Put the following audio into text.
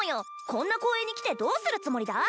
こんな公園に来てどうするつもりだ？